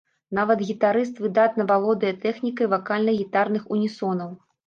Нават гітарыст выдатна валодае тэхнікай вакальна-гітарных унісонаў.